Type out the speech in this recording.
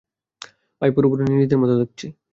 ভাই, পুরোপুরি নিজেদের মতো থাকছি।